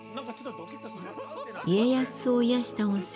家康を癒やした温泉